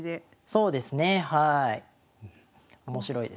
そうですねはい。